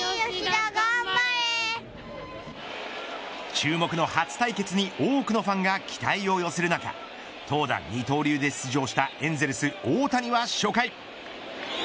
注目の初対決に多くのファンが期待を寄せる中投打二刀流で出場したエンゼルス大谷は初回。